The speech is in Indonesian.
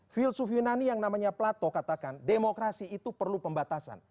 filsuf yunani yang namanya plato katakan demokrasi itu perlu pembatasan